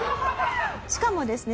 しかもですね